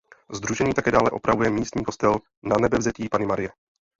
Sdružení také dále opravuje místní kostel Nanebevzetí Panny Marie.